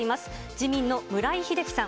自民の村井英樹さん。